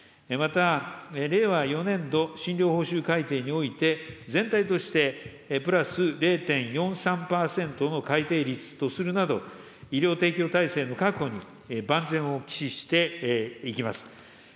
また、令和４年度診療報酬改定において、全体としてプラス０．４３％の改定率とするなど、医療提供体制の確保に万全を期していきます。